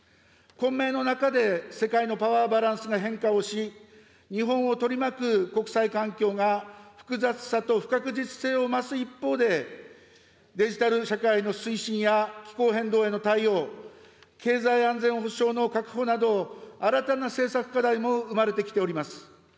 混迷の中で世界のパワーバランスが変化をし、日本を取り巻く国際環境が複雑さと不確実性を増す一方で、デジタル社会の推進や気候変動への対応、経済安全保障の確保など、新たな政策課題も生まれてきております。